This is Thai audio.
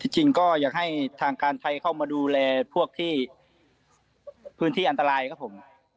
จริงก็อยากให้ทางการไทยเข้ามาดูแลพวกที่พื้นที่อันตรายครับผม